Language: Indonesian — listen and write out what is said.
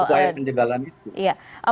beberapa hal yang terdapat